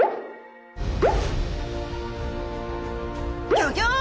ギョギョッ！